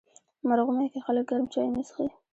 مرغومی کې خلک ګرم چایونه څښي.